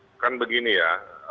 kan begini ya